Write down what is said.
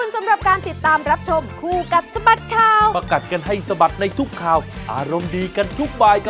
สวัสดีครับคุณผู้ชมด้วยค่ะสวัสดีครับคุณผู้ชมด้วยค่ะ